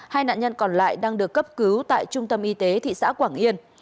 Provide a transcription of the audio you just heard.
hai nạn nhân còn lại đang được cấp cứu tại trung tâm y tế thị xã quảng yên